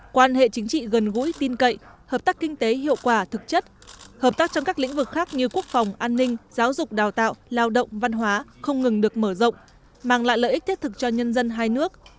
quan hệ chính trị gần gũi tin cậy hợp tác kinh tế hiệu quả thực chất hợp tác trong các lĩnh vực khác như quốc phòng an ninh giáo dục đào tạo lao động văn hóa không ngừng được mở rộng mang lại lợi ích thiết thực cho nhân dân hai nước